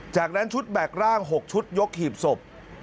จากนั้นชุดแบกร่าง๖ชุดยกหีบศพ